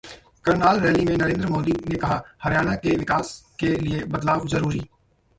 Karnal rally में नरेंद्र मोदी ने कहा- हरियाणा के विकास के लिए बदलाव जरूरी